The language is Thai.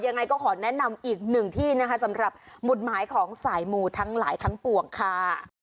ยังไงก็ขอแนะนำอีกหนึ่งที่นะคะสำหรับหมุดหมายของสายหมู่ทั้งหลายทั้งปวงค่ะ